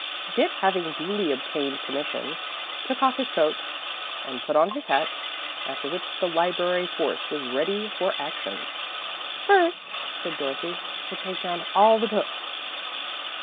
Dick, having duly obtained permission, took off his coat and put on his hat, after which the library force was ready for action. "First," said Dorothy, "we'll take down all the books."